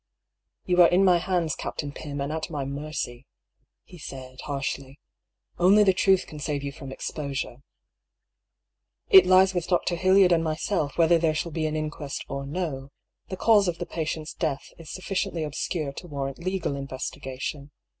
"You are in my hands. Captain Pym, and at my mercy," he said, harshly. " Only the truth can save you from exposure. It lies with Dr. Hildyard and myself whether there shall be an inquest or no; the cause of the patient's death is sufficiently obscure to warrant legal investigation.